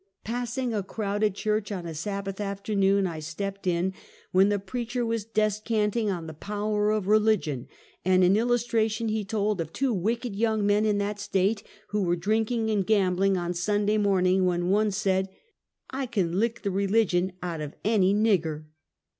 Passing a crowded church on a Sabbath afternoon, I stepped in, when the preacher was descanting on the power of religion, and, in illustration, he told of two wicked young men in that state, who were drink ing and gambling on Sunday morning, when one said :" I can lick the religion out of any nigger."